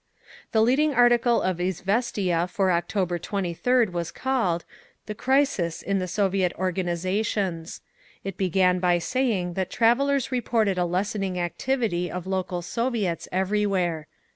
The leading article of Izviestia for October 23d was called, "The Crisis in the Soviet Organisations." It began by saying that travellers reported a lessening activity of local Soviets everywhere.